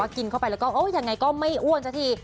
กินเข้าไปแล้วก็ยังไงก็ไม่อ้วนสักที